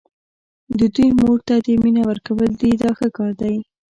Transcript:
د دوی مور ته دې مینه ورکول دي دا ښه کار دی.